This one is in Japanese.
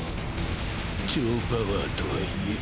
超パワーとはいえ